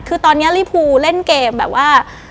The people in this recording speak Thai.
คือตอนนี้ลีภูเล่นเกมแบบว่า